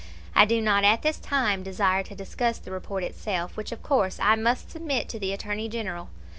I do not at this time desire to discuss the report itself, which of course I must submit to the Attorney General.